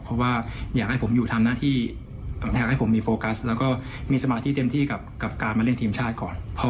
เพราะว่าอยากให้ผมอยู่ทำหน้าที่อยากให้ผมมีโฟกัสแล้วก็มีสมาธิเต็มที่กับการมาเล่นทีมชาติก่อน